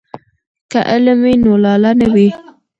که علم وي نو لاله نه وي.